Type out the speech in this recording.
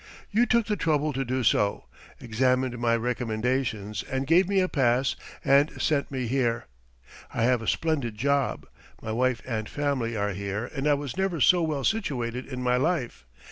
You took the trouble to do so, examined my recommendations, and gave me a pass and sent me here. I have a splendid job. My wife and family are here and I was never so well situated in my life.